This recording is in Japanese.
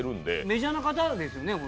メジャーな方ですよね？